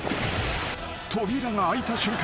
［扉が開いた瞬間